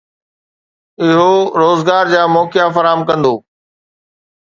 اهو روزگار جا موقعا فراهم ڪندو